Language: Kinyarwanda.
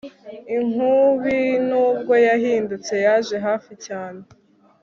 Inkubi nubwo yahindutse yaje hafi cyane